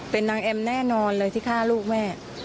เป็นนางแอมแน่นอนเลยที่ฆ่าลูกแม่